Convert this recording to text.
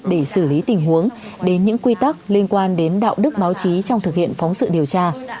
để xử lý tình huống đến những quy tắc liên quan đến đạo đức báo chí trong thực hiện phóng sự điều tra